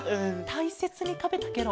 たいせつにたべたケロ？